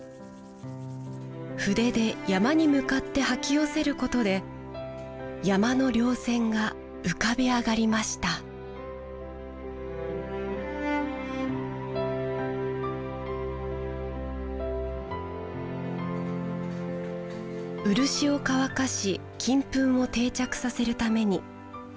筆で山に向かって掃き寄せることで山の稜線が浮かび上がりました漆を乾かし金粉を定着させるために室に入れます